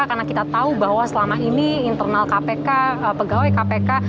karena kita tahu bahwa selama ini internal kpk pegawai kpk